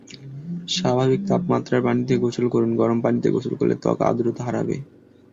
স্বাভাবিক তাপমাত্রার পানিতে গোসল করুন, গরম পানিতে গোসল করলে ত্বক আর্দ্রতা হারাবে।